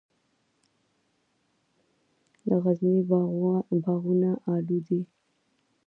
د غزني باغونه الو دي